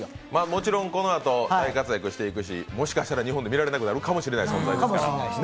もちろんこのあと、大活躍していくし、もしかしたら日本で見られなくなるかもしれない存在ですから。